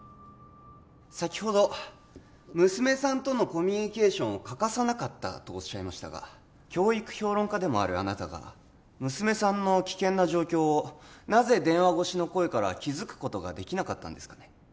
先ほど娘さんとのコミュニケーションを欠かさなかったと仰いましたが教育評論家でもあるあなたが娘さんの危険な状況をなぜ電話越しの声から気づくことができなかったんですかね